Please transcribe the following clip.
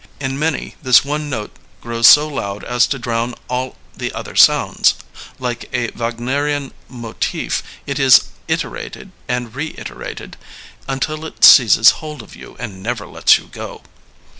In many this one note grows so loud as to drown all the other sounds. Like a Wagnerian 12 LEONID ANDREYEV motif it is iterated and reiterated until it seizes hold of you and never lets you go.